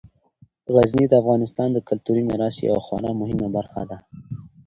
غزني د افغانستان د کلتوري میراث یوه خورا مهمه برخه ده.